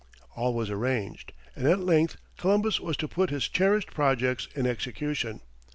All was arranged, and at length Columbus was to put his cherished projects in execution.